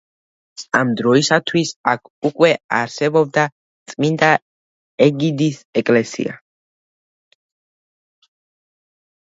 ამ დროისათვის, აქ უკვე არსებობდა წმინდა ეგიდის ეკლესია.